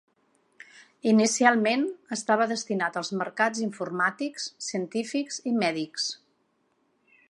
Inicialment, estava destinat als mercats informàtics científics i mèdics.